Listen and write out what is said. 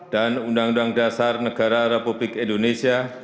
dan undang undang dasar negara republik indonesia